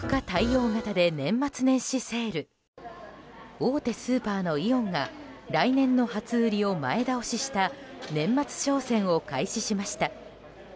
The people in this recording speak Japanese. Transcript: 大手スーパーのイオンが来年の初売りを前倒しした年末商戦を開始しました。